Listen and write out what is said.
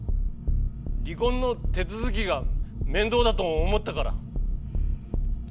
「離婚の手続きが面倒だと思ったから」。